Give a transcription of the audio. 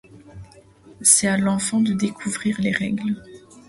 C'est à l'enfant de découvrir les règles.